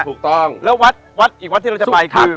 ถูกต้องแล้ววัดวัดอีกวัดที่เราจะไปคือ